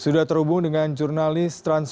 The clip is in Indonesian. sudah terhubung dengan jurnalis